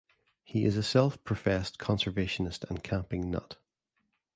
He is a self-professed conservationist and camping nut.